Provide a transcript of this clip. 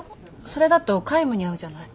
それだと海霧にあうじゃない。